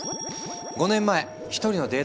５年前一人のデータ